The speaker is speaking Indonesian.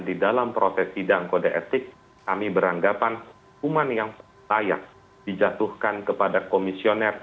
di dalam proses sidang kode etik kami beranggapan hukuman yang layak dijatuhkan kepada komisioner